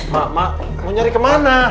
mak mak mau nyari kemana